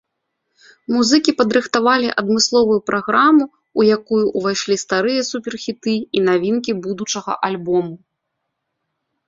Музыкі падрыхтавалі адмысловую праграму, у якую ўвайшлі старыя супер-хіты і навінкі будучага альбому.